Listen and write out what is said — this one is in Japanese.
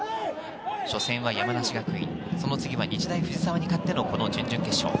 初戦は山梨学院、その次は日大藤沢に勝っての準々決勝。